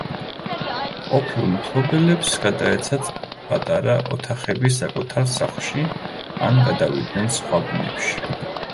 ყოფილ მფლობელებს გადაეცათ პატარა ოთახები საკუთარ სახლში, ან გადავიდნენ სხვა ბინებში.